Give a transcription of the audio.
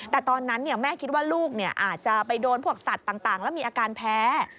แต่ตอนนั้นแม่คิดว่าลูกอาจจะไปโดนพวกสัตว์ต่างแล้วมีอาการแพ้